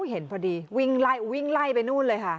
เห็นพอดีวิ่งไล่วิ่งไล่ไปนู่นเลยค่ะ